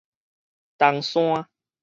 冬山